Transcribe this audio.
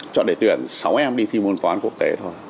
chọn để tuyển sáu em đi thi môn toán quốc tế thôi